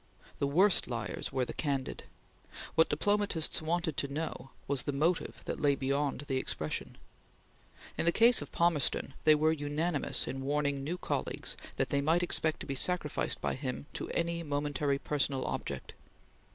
The worst liars were the candid. What diplomatists wanted to know was the motive that lay beyond the expression. In the case of Palmerston they were unanimous in warning new colleagues that they might expect to be sacrificed by him to any momentary personal object.